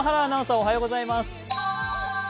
おはようございます。